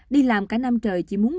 đi làm cả năm trời chỉ muốn